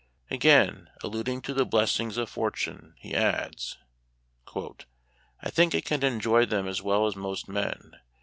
Again, alluding to the blessings of " fortune," he adds :" I think I can enjoy them as well as most men.